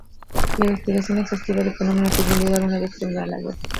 La investigación exhaustiva del fenómeno tuvo lugar una vez terminada la guerra.